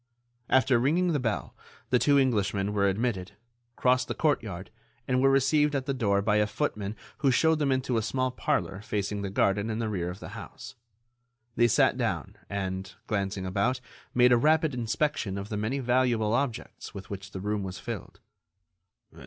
After ringing the bell, the two Englishmen were admitted, crossed the courtyard, and were received at the door by a footman who showed them into a small parlor facing the garden in the rear of the house. They sat down and, glancing about, made a rapid inspection of the many valuable objects with which the room was filled.